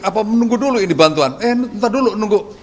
apa menunggu dulu ini bantuan eh ntar dulu nunggu